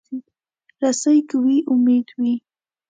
رسۍ که وي، امید وي.